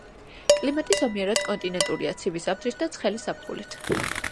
კლიმატი ზომიერად კონტინენტურია, ცივი ზამთრით და ცხელი ზაფხულით.